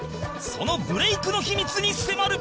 そのブレイクの秘密に迫る！